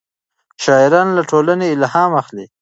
شاعران له ټولنې الهام اخلي.